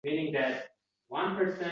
Biroq, bu romantika emas...